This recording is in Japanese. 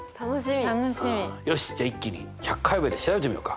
よしじゃあ一気に１００回まで調べてみようか。